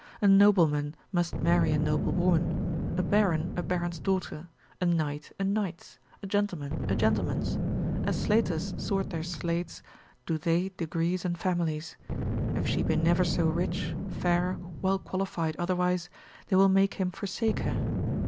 A nobleman must marry a noblewoman: a baron, a baron's daughter; a knight, a knight's; a gentleman, a gentleman's: as slaters sort their slates, do they degrees and families. If she be never so rich, fair, well qualified otherwise, they will make him forsake her.